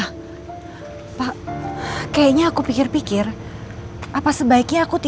hanya satu satu sekali lagi